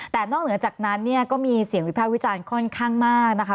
แต่นอกเหนือจากนั้นเนี่ยก็มีเสียงวิภาควิจารณ์ค่อนข้างมากนะคะ